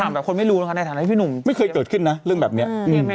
แบบคนไม่รู้นะคะในฐานะพี่หนุ่มไม่เคยเกิดขึ้นนะเรื่องแบบนี้